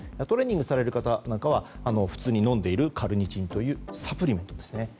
トレーニングされる方なんかは普通に飲んでいるカルニチンというサプリメントです。